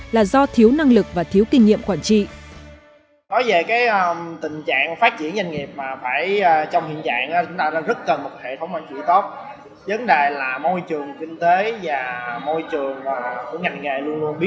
là do thiếu năng lực và thiếu kinh nghiệm quản trị